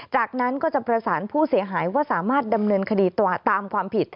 จากนั้นก็จะประสานผู้เสียหายว่าสามารถดำเนินคดีตามความผิด